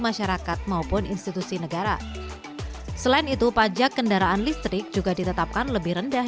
masyarakat maupun institusi negara selain itu pajak kendaraan listrik juga ditetapkan lebih rendah